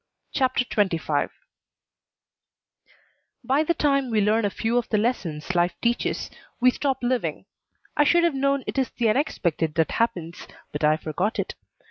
CHAPTER XXV By the time we learn a few of the lessons life teaches we stop living. I should have known it is the unexpected that happens, but I forgot it.